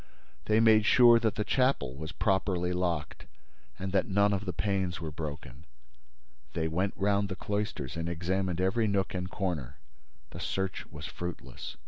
They made sure that the chapel was properly locked and that none of the panes were broken. They went round the cloisters and examined every nook and corner. The search was fruitless.